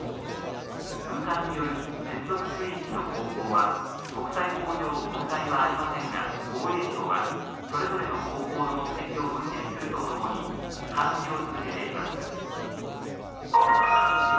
軍艦による接続水域の航行は国際法上、問題はありませんが、防衛省は、それぞれの航行の目的を分析するとともに、監視を続けています。